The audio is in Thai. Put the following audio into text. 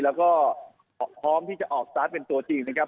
แล้วก็พร้อมที่จะออกสตาร์ทเป็นตัวจริงนะครับ